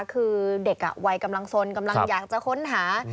คือเด็กวัยกำลังสนกำลังอยากจะค้นหา